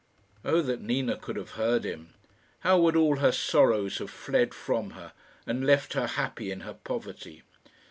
Oh that Nina could have heard him! How would all her sorrows have fled from her, and left her happy in her poverty!